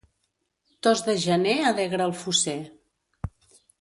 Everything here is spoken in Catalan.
Tos de gener alegra el fosser.